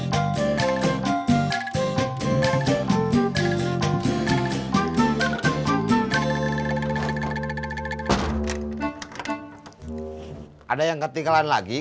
ada yang ketinggalan lagi